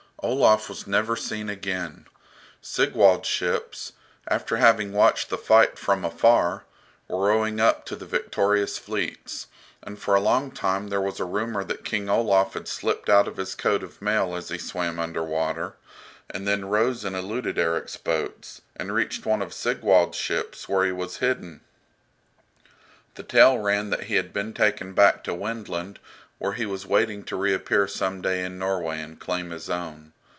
Olaf was never seen again. Sigvald's ships, after having watched the fight from afar, were rowing up to the victorious fleets, and for a long time there was a rumour that King Olaf had slipped out of his coat of mail as he swam under water, and then rose and eluded Erik's boats, and reached one of Sigvald's ships, where he was hidden. The tale ran that he had been taken back to Wendland, where he was waiting to reappear some day in Norway and claim his own.